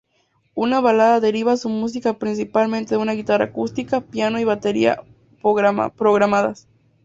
La balada deriva su música principalmente de una guitarra acústica, piano y batería programadas.